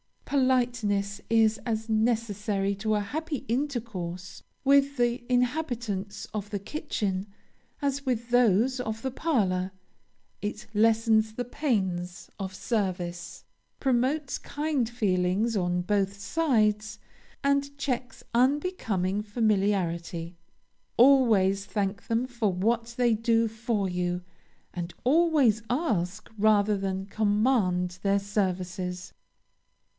Politeness is as necessary to a happy intercourse with the inhabitants of the kitchen, as with those of the parlor; it lessens the pains of service, promotes kind feelings on both sides, and checks unbecoming familiarity; always thank them for what they do for you, and always ask rather than command their services.